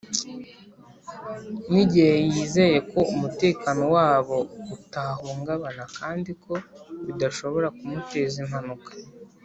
nigihe yizeye ko umutekano wabo utahungabana kandi ko bidashobora kumuteza impanuka